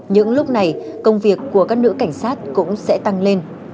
những lúc này công việc của các nữ cảnh sát cũng sẽ tăng lên